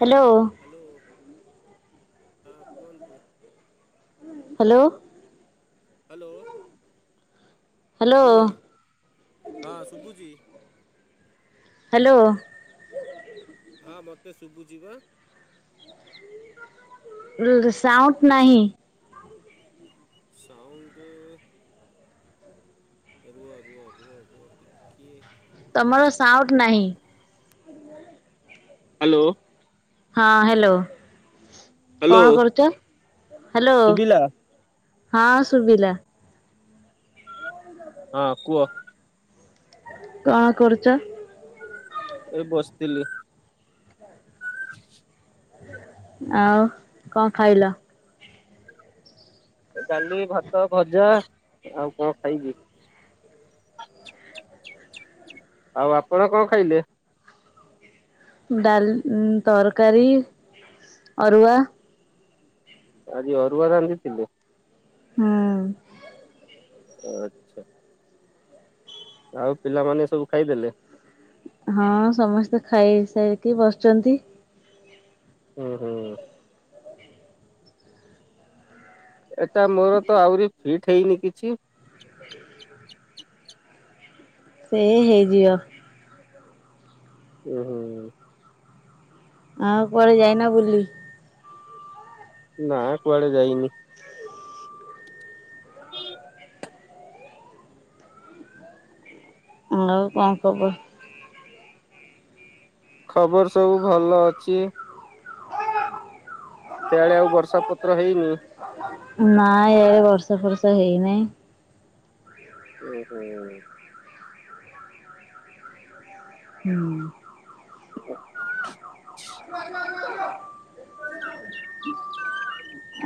Hello hello. ହଁ କୁହନ୍ତୁ। Hello. Hello hello hello ହଁ ଶୁଭୁଚି। ହାଲୋ। ହଁ ମୋତେ ଶୁଭୁଚି ବା। ସାଉଣ୍ଟ ନାହିଁ। ସାଉଣ୍ଡ ରୁହ ରୁହ ରୁହ ରୁହ ଟିକିଏ ତମର ସାଉଟ ନାହିଁ? ହାଲୋ। ହଁ ହାଲୋ। ହ୍ୟାଲୋ କଣ କରୁଚ? ହାଲୋ। ଶୁଭିଲା ହଁ ଶୁଭିଲା। ହଁ କୁହ। କଣ କରୁଚ। ଏଇ ବସିଥିଲି। ଆଉ କଣ ଖାଇଲ। ଡାଲି ଭାତ ଭଜା ଆଉ କଣ ଖାଇବି ଆଉ ଆପଣ କଣ ଖାଇଲେ। ଡାଲ ତରକାରୀ ଅରୁଆ। ଆଜି ଅରୁଆ ରାନ୍ଧିଥିଲେ। ହୁଁ। ଆଚ୍ଛା। ଆଉ ପିଲାମାନେ ସବୁ ଖାଇଦେଲେ। ହଁ ସମସ୍ତେ ଖାଇସାରିକି ବସଚନ୍ତି। ଓହୋ। ଏଟା ମୋର ତ ଆହୁରି ସିଟ ହେଇନି କିଛି। ସେ ହେଇଯିବ। ଉଁ ହୁଁ। ଆଉ କୁଆଡ଼େ ଯାଇନ ବୁଲି? ନା କୁଆଡେ ଯାଇନି। ଆଉ କଣ ଖବର? ଖବର ସବୁ ଭଲ ଅଛି। ସିଆଡ଼େ ଆଉ ବର୍ଷା ପତ୍ର ହେଇନି? ନା ୟାଡେ ବର୍ଷା ଫର୍ଷା ହେଇନେଇଁ। ଉଁ ହୁଁ। ହୁଁ।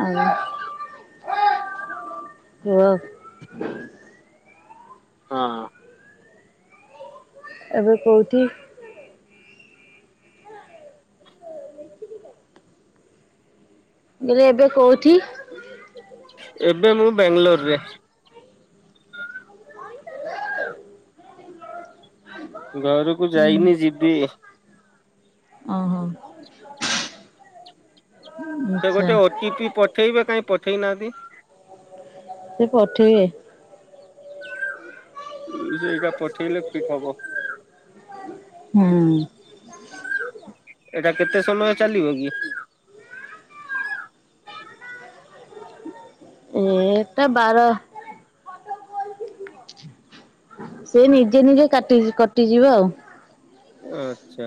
ଆଉ କୁହ? ହଁ। ଏବେ କୋଉଠି? ମୁଁ କହିଲି ଏବେ କୌଉଠି? ଏବେ ମୁଁ ବ୍ୟାଂଲୋରରେ। ଘରକୁ ହୁଁ ଯାଇନି ଯିବି। ଓହୋ। ସେ ଆଚ୍ଛା। ଗୋଟେ ଓ ଟି ପି ପଠେଇବେ କାଇଁ ପଠେଇ ନାହା ନ୍ତି। ସେ ପଠେଇବେ। ଉଁ ସେଇଟା ପଠେଇଲେ ଫିଟ ହବ। ହୁଁ। ଏଇଟା କେତେ ସମୟ ଚାଲିବ କି? ଏଇଟା ବାର ସେ ନିଜେ ନିଜେ କାଟି କଟିଯିବ ଆଉ। ଆଛା।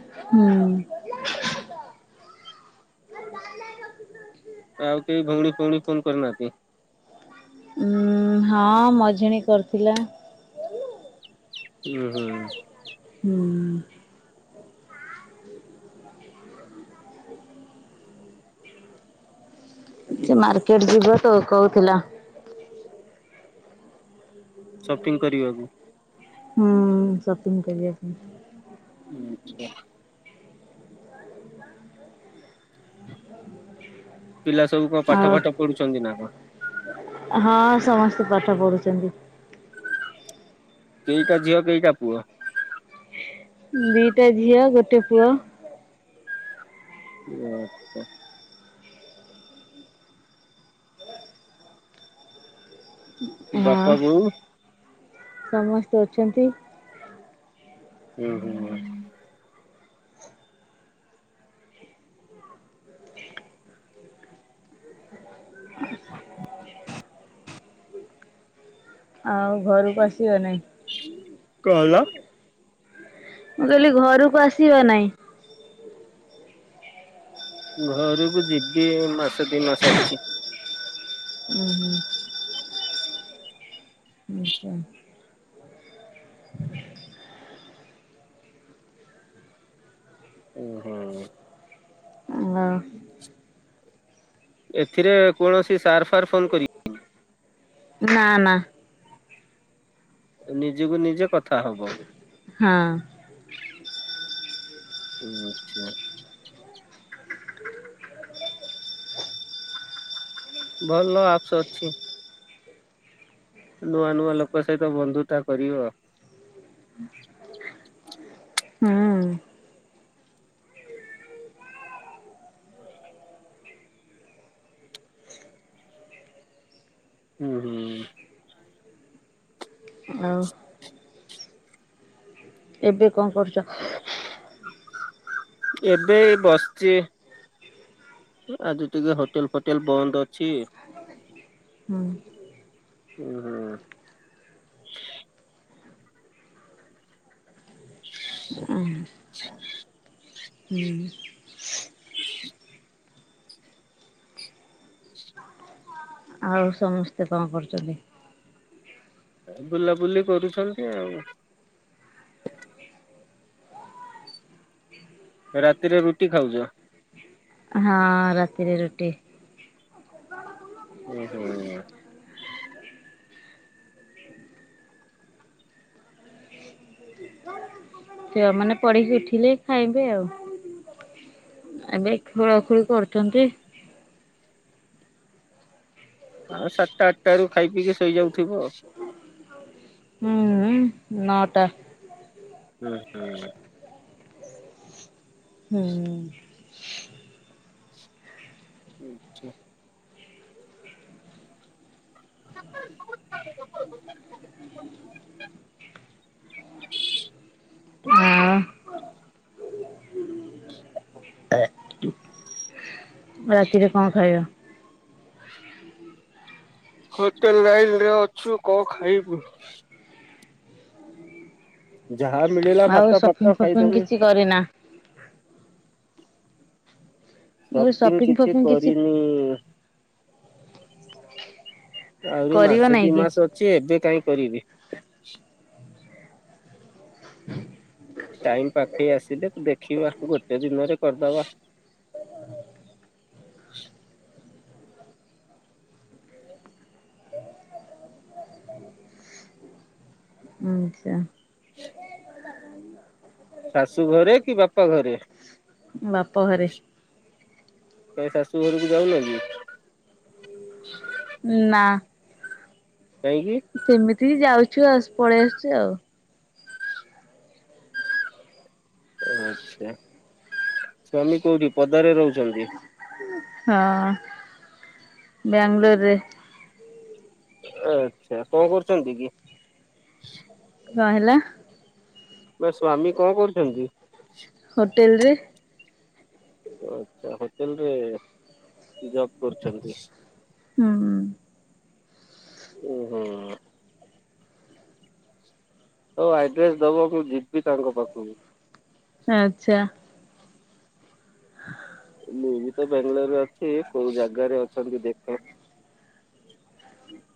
ହୁଁ। ଆଉ କେହିଁ ଭୋଉଣି ଫୋଉଣୀ ଫୋନ କରନାହାନ୍ତି? ଉଁ ହଁ ମଝିଆଣି କରିଥିଲା। ଉଁ ହୁଁ। ହୁଁ। ସେ ମାର୍କେଟ ଯିବ ତ କହୁଥିଲା। ସପିଂ କରିବାକୁ। ହୁଁ ସପିଙ୍ଗ୍ କରିଆ ପାଇଁ। [unintelligible] ପିଲା ସବୁ କଣ ପାଠ ଆଉ ଫାଠ ପଢ଼ୁଛନ୍ତି ନା କଣ? ହଁ ସମସ୍ତେ ପାଠ ପଢୁଛନ୍ତି। କେଇଟା ଝିଅ, କେଇଟା ପୁଅ? ଦିଟା ଝିଅ, ଗୋଟେ ପୁଅ। ଆଚ୍ଛା। ହଁ। ବାପା ବୋଉ ସମସ୍ତେ ଅଛନ୍ତି। ହୁଁ ହୁଁ। [inaudible] ଆଉ ଘରକୁ ଆସିବ ନେଇ କହିଲ [unintelligible] ମୁଁ କହିଲି ଘରକୁ ଆସିବା ନେଇଁ। ଘରକୁ ଯିବି ମାସ ଦି ମାସ ଅଛି। ଉଁ ହୁଁ ଆଚ୍ଛା। ହୁଁ ହୁଁ। ଓ ଏଥିରେ କୌଣସି ସାର୍ ଫାର୍ ଫୋନ କରି ନା ନା। ନିଜକୁ ନିଜେ କଥା ହବ। ହଁ। ହୁଁ ଆଛା। ଭଲ ଆପସ ଅଛି। ନୂଆ ନୂଆ ଲୋକ ସହିତ ବନ୍ଧୁତା କରିବ। ହୁଁ ହୁଁ -ହୁଁ। ଆଉ ଏବେ କଣ କରୁଛ? ଏବେ ବସିଛି ଆଜି ଟିକେ ହୋଟେଲ ଫୋଟେଲ ବନ୍ଦ ଅଛି ହୁଁ ଉ ହୁଁ। ହୁଁ ଆଉ ସମସ୍ତେ କଣ କରୁଛନ୍ତି? ବୁଲାବୁଲି କରୁଛନ୍ତି ଆଉ। ରାତିରେ ରୁଟି ଖାଉଛ? ହଁ ରାତିରେ ରୁଟି। ଓ ହୋ। ଝିଅ ମାନେ ପଢିକି ଉଠିଲେ ଖାଇବେ ଆଉ। ଏବେ ଖୋଳାଖୋଳି କରୁଛନ୍ତି। ଆଉ ସାତଟା ଆଠଟା ରୁ ଖାଇ ପିଇକି ଶୋଇଯାଉଥିବ। ହୁଁ ନଅଟା। ହୁଁ ହୁଁ। ହୁଁ ଆଛା। ଆଉ ରାତିରେ କଣ ଖାଇବା? ହୋଟେଲ ଲାଇନ ରେ ଅଛୁ କଣ ଖାଇବୁ। ଯାହା ମିଳିଲା ଆଉ ଭାତ ସପିଂ ଫାତ ପପିଂ ଖାଇଦଉନୁ କିଛି କରିନା? ମୁଁ ସପିଂ ସପିଙ୍ଗ କିଛି ଫପିଙ୍ଗ କରିନି। ଆହୁରି କରିବ ମାସେ ନାଇଁ ଦି କି? ମାସ ଅଛି ଏତେ କାହିଁ କରିବି। ଟାଇମ ପାଖେଇ ଆସିଲେ ଦେଖିବା ଗୋଟେ ଦିନରେ କରିଦବା। ଆଚ୍ଛା। ଶାଶୁ ଘରେ କି ବାପା ଘରେ? ବାପ ଘରେ। କାହିଁ ଶାଶୁ ଘରକୁ ଯାଉନ କି? ନା। କହିଁ କିି? ସେମିତି ଯାଉଛୁ ଆସ୍ ପଳେଇ ଆସୁଛୁ ଆଉ। ଆଚ୍ଛା ସ୍ୱାମୀ କୋଉଠି ପଦାରେ ରହୁଛନ୍ତି? ହଁ ବାଙ୍ଗଲୋରରେ। ଆଚ୍ଛା କଣ କରୁଛନ୍ତି କି? କଣ ହେଲା? ବା ସ୍ଵାମୀ କଣ କରୁଛନ୍ତି? ହୋଟେଲରେ। ଆଚ୍ଛା ହୋଟେଲ ରେ ଜବ କରୁଛନ୍ତି? ହୁଁ। ଓୁ ହୁ। ହଉ ଆଡ୍ରେସ ଦବ ମୁଁ ଯିବି ତାଙ୍କ ପାଖକୁ। ଆଚ୍ଛା। ମୁଁ ବି ତ ବାଙ୍ଗାଲୋରରେ ଅଛି, କୋଉ ଜାଗାରେ ଅଛନ୍ତି ଦେଖେ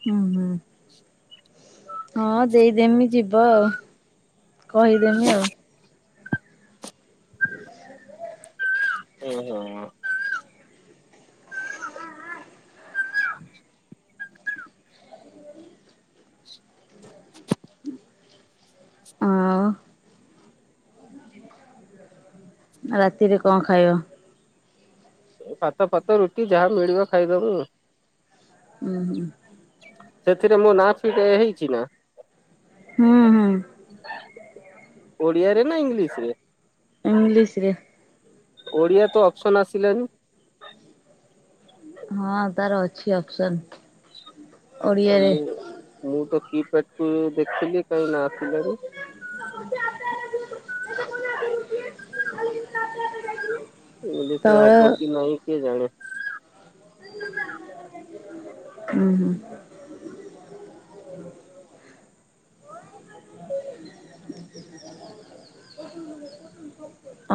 ହୁଁ ହୁଁ। ହଁ ଦେଇଦେମି ଯିବ ଆଉ, କହିଦେମି ଆଉ ହୁଁ ହୁଁ ଆଉ ରାତିରେ କଣ ଖାଇବ? ଏ ଭାତ ଫାତ ରୁଟି ଯାହା ମିଳିବ ଖାଇଦବ। ହୁଁ ହୁଁ। ସେଥିରେ ମୋ ନାଁ ଫିଟ୍ ହେଇଛି ନାଁ ହୁଁ ହୁଁ ଓଡ଼ିଆ ରେ ଇଂଲିସ୍ ରେ ଇଂଲିଶ୍ ରେ। ଓଡ଼ିଆ ତ ଅପସନ୍ ଆସିଲାନି। ହଁ ତାର ଅଛି ଅପସନ୍। ଆ ଓଡ଼ିଆରେ। ମୁଁ ମୁଁ ତ କି ଟକୁ ଦେଖିଲି କାହିଁ ନା ଆସିଲାନି ଇଂଲିଶ୍ ରେ ତଳ ହବକି ନ କିଏ ଜାଣେ? ହୁଁ ହୁଁ।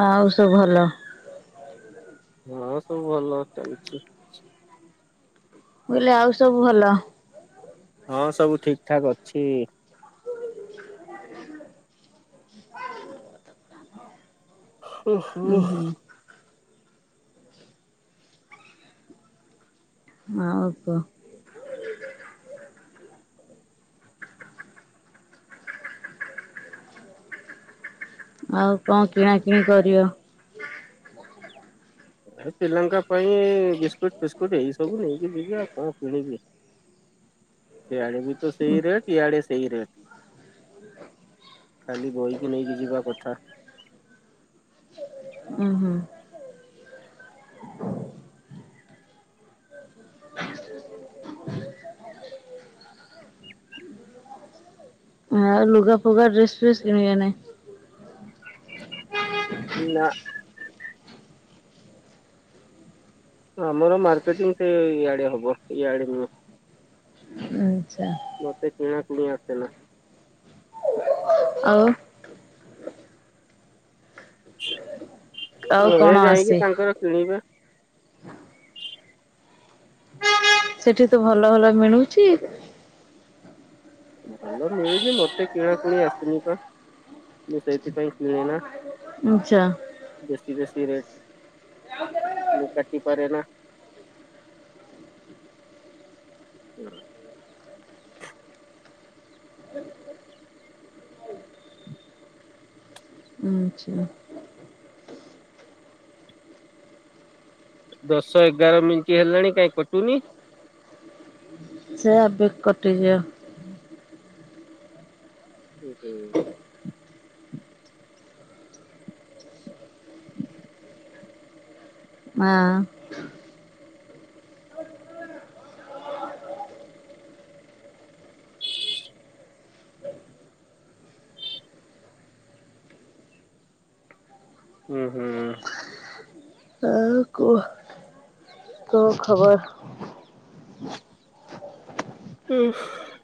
ଆଉ ସବୁ ଭଲ? ହଁ ସବୁ ଭଲ ଚାଲିଛି। ବୋଇଲେ ଆଉ ସବୁ ଭଲ? ହଁ ସବୁ ଠିକ୍ ଠାକ୍ ଅଛି। ହ ଓ ଉୁଁ ହୋ। ହୁଁ ଆଉ କୁହ। ଆଉ କଣ କିଣାକିଣି କରିବ? ଏ ପିଲାଙ୍କ ପାଇଁ ବିସ୍କୁଟ୍, ଫିସ୍କୁଟ୍ ଏଇ ସବୁ ନେଇ କି ଯିବି ଆଉ କଣ କିଣିବି। ସେଆଡେ ବି ତ ସେଇ ରେଟ୍ ଇଆଡେ ସେଇ ରେଟ୍ ଖାଲି ବୋହିକି ନେଇକି ଯିବା କଥା। ଉଁ ହୁଁ। ଆଉ ଲୁଗା ଫୁଗା ଡ୍ରେସ୍, ଫ୍ରେସ୍ କିଣି ବା ନାହିଁ। [inaudible] ନା ଆମର ମାର୍କେଟିଂ ସେ ଇଆଡେ ହବ ଇଆଡେ ନୁହ ଆଚ୍ଛା। ମତେ କିଣା କିଣି ଆସେନା ଆଉ [inaudible] [inaudible] ଆଉ ଘରେ କଣ ଯାଇକି ଆସେ? ତାଙ୍କର କିଣିବା ସେଠି ତ ଭଲ ଭଲ ମିଳୁଛି ଭଲ ମିଳୁଛି ମତେ କିଣାକୁଣି ଆସିନି ପା ମୁଁ ସେଇଥିପାଇଁ କିଣେନା। ଆଛା [unintelligible] ମୁଁ କାଟି ପାରେନା [inaudible] ଆଚ୍ଛା ଦଶ ଏଗାର ମିନିଟ୍ ହେଲାଣି କାଇଁ କଟୁନି ସେ ଏବେ କଟିଯିବ ହୁ ହୁ ହଁ ହୁଁ ହୁଁ [unintelligible] ଖବର୍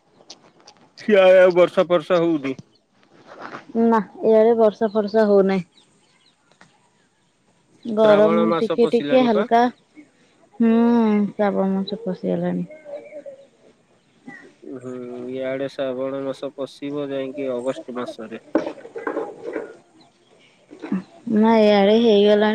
[inaudible] ସିଆଡେ ଆଉ ବର୍ଷା ଫର୍ଷା ହଉନି [unintelligible] ବର୍ଷା ଫର୍ଷା ହଉନାହିଁ। ଗରମ ଶ୍ରାବଣ ମାସ ଟିକେ ଟିକେ ପଶିଲାଣି ପା ହାଲକା ହୁଁ ଶ୍ରାବଣ ମାସ [unintelligible] ହେଲାଣି ହୁଁ ଇଆଡେ ଶ୍ରାବଣ ମାସ ପଶିବ ଯାଇକି ଅଗଷ୍ଟ ମାସରେ। ନା ଏଇଆଡେ ହେଇଗଲାଣି